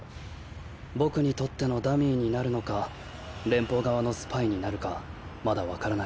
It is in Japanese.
僕にとってのダミーになるのか連邦側のスパイになるかまだ分からない。